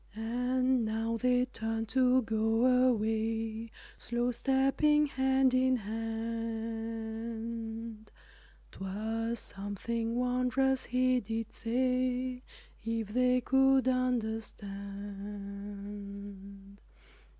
And now they turn to go away, Slow stepping, hand in hand, 'Twas something wondrous he did say, If they could understand.